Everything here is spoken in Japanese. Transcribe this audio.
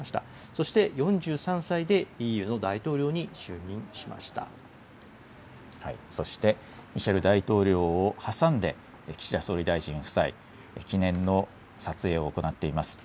そして４３歳でＥＵの大統領に就そして、ミシェル大統領を挟んで、岸田総理大臣夫妻、記念の撮影を行っています。